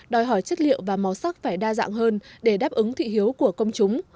đòi hỏi chất liệu và màu sắc phải đa dạng hơn để đáp ứng thị hiếu của công chúng